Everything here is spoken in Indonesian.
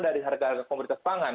dari harga harga komoditas pangan